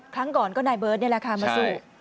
ครั้งก่อนก็นายเบิร์ตนี่แหละค่ะมาสู้